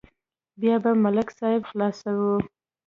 بیا به ملک صاحب خلاصوي.